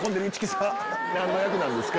何の役なんですか？